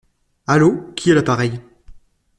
Allo, qui est à l'appareil?